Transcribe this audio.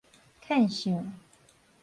譴相